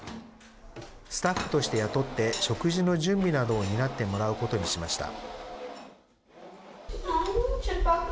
スタッフとして雇って食事の準備などを担ってもらうことにしました。